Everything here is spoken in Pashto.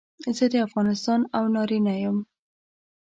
زه د افغانستان او نارینه یم.